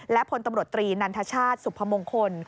และพลตำรวจตรีนันทชาติสุพมงคล